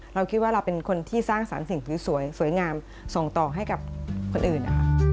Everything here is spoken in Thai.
เราคิดว่าเราเป็นคนที่สร้างสรรค์สิ่งสวยสวยงามส่งต่อให้กับคนอื่นนะคะ